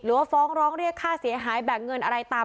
หรือว่าฟ้องร้องเรียกค่าเสียหายแบ่งเงินอะไรตามข้อ